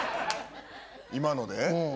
今ので？